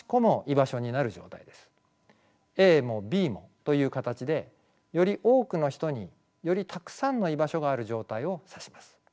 ＡもＢもという形でより多くの人によりたくさんの居場所がある状態を指します。